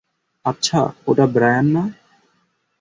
আচ্ছা, ওটা ব্রায়ান না?